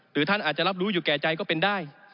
ท่านอาจจะรับรู้อยู่แก่ใจก็เป็นได้